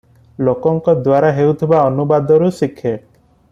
ଲୋକଙ୍କ ଦ୍ୱାରା ହେଉଥିବା ଅନୁବାଦରୁ ଶିଖେ ।